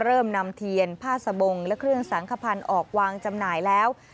เริ่มนำเทียนผ้าสบงและเครื่องสังขพันธ์ออกวางจำหน่ายแล้ว